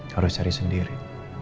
harus cari sendiri